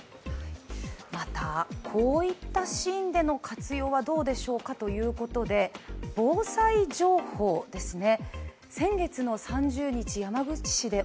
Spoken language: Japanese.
また、こういったシーンでの活用はどうでしょうかということで防災情報ですね。